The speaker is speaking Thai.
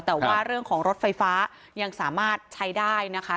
แต่ว่าเรื่องของรถไฟฟ้ายังสามารถใช้ได้นะคะ